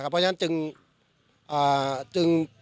เพราะฉะนั้นจึง